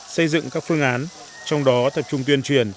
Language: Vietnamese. xây dựng các phương án trong đó tập trung tuyên truyền